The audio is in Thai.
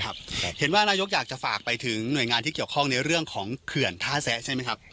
เห็นว่านายกอยากจะฝากไปถึงหน่วยงานที่เกี่ยวข้องในเรื่องของเขื่อนท่าแซะใช่ไหมครับ